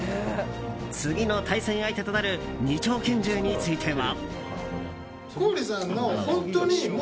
次の対戦相手となる２丁拳銃については。